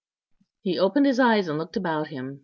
He opened his eyes and looked about him.